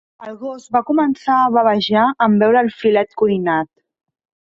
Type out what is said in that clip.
El gos va començar a bavejar en veure el filet cuinat.